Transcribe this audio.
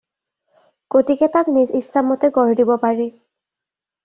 গতিকে তাক নিজ ইচ্ছা মতে গঢ় দিব পাৰি।